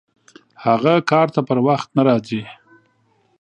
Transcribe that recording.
هغه کار ته پر وخت نه راځي!